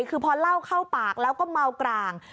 คือพอเล่าเข้าปากแล้วก็เมากร่าง